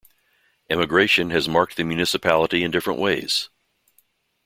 Emigration has marked the municipality in different ways.